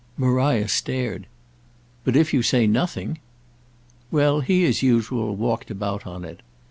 Maria stared. "But if you say nothing!" Well, he as usual walked about on it.